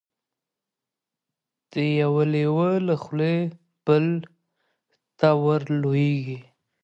د یوه لېوه له خولې بل ته ور لوېږي